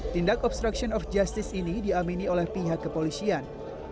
tindak obstruction of justice ini diamini oleh pihak kepolisian